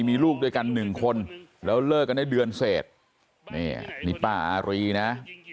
มีลูกด้วยกันหนึ่งคนแล้วเลิกกันได้เดือนเศษนี่นี่ป้าอารีนะ